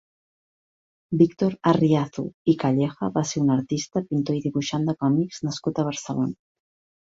Víctor Arriazu i Calleja va ser un artista, pintor i dibuixant de còmics nascut a Barcelona.